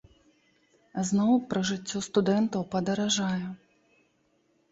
Зноў пражыццё студэнтаў падаражае.